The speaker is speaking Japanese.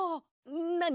なに？